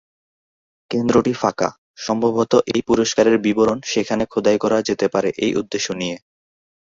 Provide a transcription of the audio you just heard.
কেন্দ্রটি ফাঁকা, সম্ভবত এই পুরস্কারের বিবরণ সেখানে খোদাই করা যেতে পারে সেই উদ্দেশ্য নিয়ে।